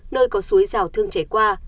nơi có suối rào thương chảy qua